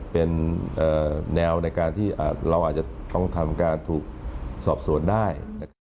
เป็นแนวในการที่เราอาจจะต้องทำการถูกสอบสวนได้